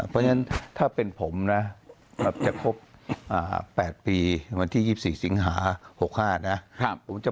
เพราะฉะนั้นถ้าเป็นผมนะจะครบ๘ปีวันที่๒๔สิงหา๖๕นะ